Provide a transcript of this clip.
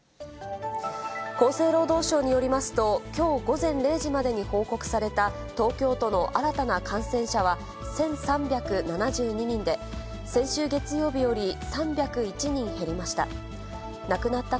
厚生労働省によりますと、きょう午前０時までに報告された東京都の新たな感染者は１３７２人で、先週月曜日より３０１人減りました。